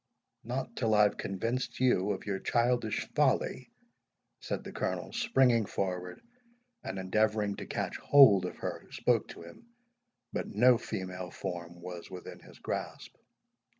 "Not till I have convinced you of your childish folly," said the Colonel, springing forward, and endeavouring to catch hold of her who spoke to him. But no female form was within his grasp.